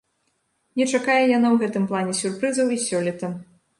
Не чакае яна ў гэтым плане сюрпрызаў і сёлета.